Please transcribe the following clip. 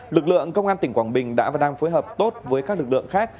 lực lượng công an tỉnh quảng bình đã và đang phối hợp tốt với các lực lượng khác